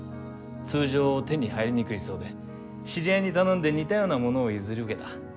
通常手に入りにくいそうで知り合いに頼んで似たようなものを譲り受けた。